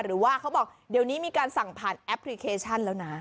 เขาบอกเดี๋ยวนี้มีการสั่งผ่านแอปพลิเคชันแล้วนะ